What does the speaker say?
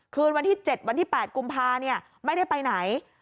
คืนวันที่๗วันที่๘กุมภาไม่ได้ไปไหน